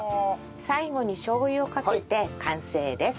最後にしょう油をかけて完成です。